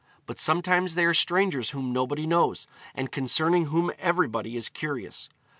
But sometimes they are strangers whom nobody knows, and concerning whom everybody is curious.